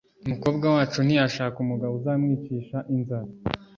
umukobwa wacu ntiyashaka umugabo uzamwicisha inzara.